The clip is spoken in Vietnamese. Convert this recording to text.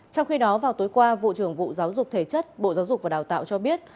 trong khi đó vào tối qua vụ trưởng vụ giáo dục thể chất bộ giáo dục và đào tạo cho biết